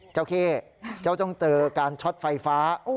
เข้เจ้าต้องเจอการช็อตไฟฟ้า